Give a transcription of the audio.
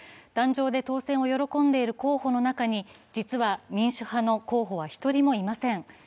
檀上で当選を喜んでいる候補の中に実は民主派の候補は１人もいません。